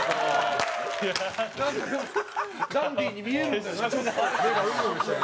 ダンディーに見える。